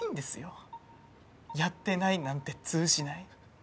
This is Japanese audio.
「やってない」なんて通じない。